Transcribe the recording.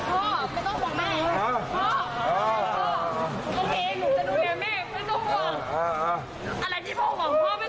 พ่อไม่ต้องห่วงแม่นะเข้าใจไหม